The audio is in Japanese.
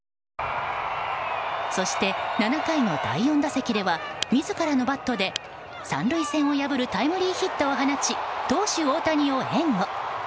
そして、７回の第４打席では自らのバットで３塁線を破るタイムリーヒットを放ち投手・大谷を援護。